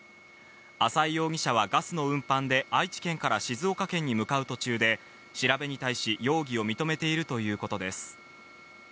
浅井容疑者はガスの運搬で愛知県から静岡県に向かう途中で、調べに対し容疑を認めているということです。